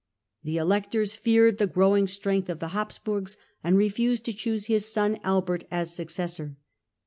The Electors feared the growing strength of the Habsburgs and refused to choose his son Albert as successor.